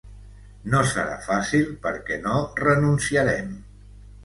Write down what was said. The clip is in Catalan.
No serà fàcil perquè no renunciarem.